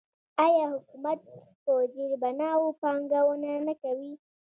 آیا حکومت په زیربناوو پانګونه نه کوي؟